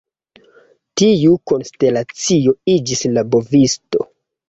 Tiu konstelacio iĝis la Bovisto.